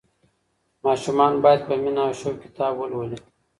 ماشومان باید په مینه او شوق کتاب ولولي.